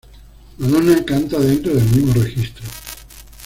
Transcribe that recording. Madonna canta dentro del mismo registro.